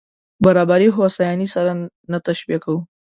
برابري هوساينې سره نه تشبیه کوو.